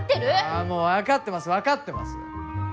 ああもう分かってます分かってます。